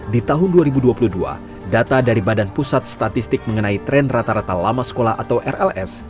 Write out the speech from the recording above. di tahun dua ribu dua puluh dua data dari badan pusat statistik mengenai tren rata rata lama sekolah atau rls